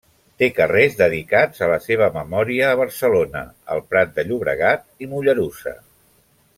Té carrers dedicats a la seva memòria a Barcelona, El Prat de Llobregat i Mollerussa.